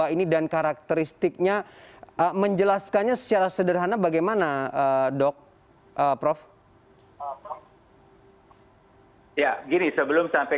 ini dan karakteristiknya menjelaskannya secara sederhana bagaimana dok prof ya gini sebelum sampai